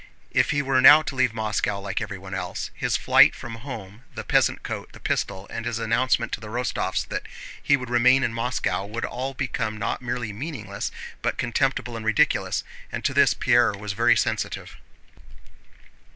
If he were now to leave Moscow like everyone else, his flight from home, the peasant coat, the pistol, and his announcement to the Rostóvs that he would remain in Moscow would all become not merely meaningless but contemptible and ridiculous, and to this Pierre was very sensitive.